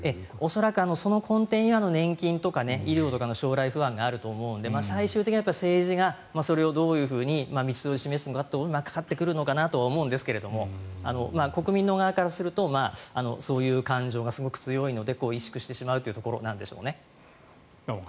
恐らくその根底には年金とか医療とかの将来不安があると思うので最終的には政治がそれをどういうふうに道筋を示すのかなというところにかかってくるのかなと思いますが国民の側からするとそういう感情がすごく強いので萎縮してしまうというところなんでしょうね。